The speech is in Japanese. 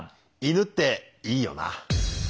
犬っていいよな。